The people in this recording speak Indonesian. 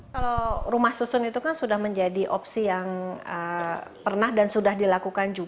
kalau rumah susun itu kan sudah menjadi opsi yang pernah dan sudah dilakukan